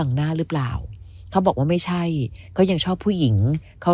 หน้าหรือเปล่าเขาบอกว่าไม่ใช่เขายังชอบผู้หญิงเขา